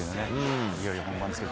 いよいよ本番ですけど。